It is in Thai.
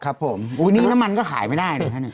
ครับผมอุ้ยนี่น้ำมันก็ขายไม่ได้เลยครับ